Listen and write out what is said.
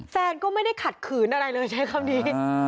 แฟนก็ไม่ได้ขัดขืนอะไรเลยใช้คำนี้